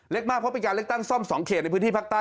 เล็กมากเพราะเป็นการตั้งส่อม๒เคตในพฤทธิภาคใต้